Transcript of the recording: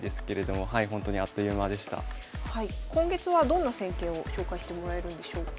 今月はどんな戦型を紹介してもらえるんでしょうか。